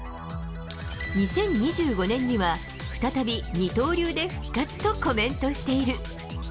２０２５年には再び二刀流で復活とコメントしている。